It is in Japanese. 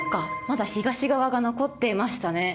まだ東側が残っていましたね。